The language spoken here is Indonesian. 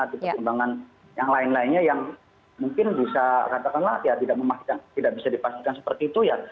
kekembangan yang lain lainnya yang mungkin bisa katakanlah tidak bisa dipastikan seperti itu ya